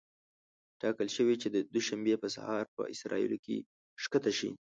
ټاکل شوې چې د دوشنبې په سهار په اسرائیلو کې ښکته شي.